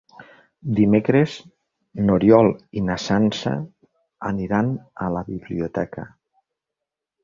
Dimecres n'Oriol i na Sança aniran a la biblioteca.